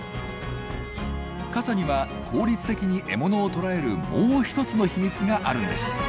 傘には効率的に獲物を捕らえるもう一つの秘密があるんです。